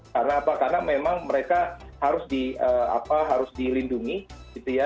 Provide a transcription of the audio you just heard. karena apa karena memang mereka harus dilindungi